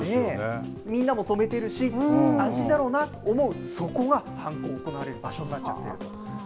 みんなも止めているし安心だろうなと思うそこが犯行が行われる場所になっちゃう。